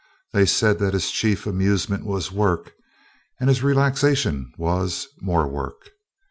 They said that his chief amusement was work, and his relaxation, more work.